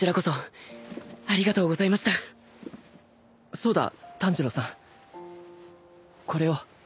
そうだ炭治郎さんこれを。